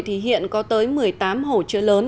hiện có tới một mươi tám hồ chữa lớn